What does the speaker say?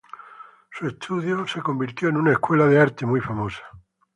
Su estudio se convirtió en una escuela de arte muy famosa.